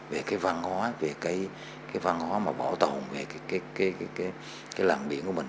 về cái văn hóa về cái văn hóa mà bảo tồn về cái làng biển của mình